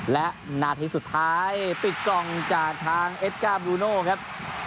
และนาทีสุดท้ายปิดกล่องจากทางเอสก้าบลูโน่ครับ